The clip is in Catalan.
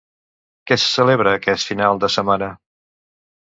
Què se celebra aquest final de setmana?